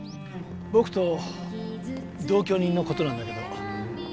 僕と同居人のことなんだけど。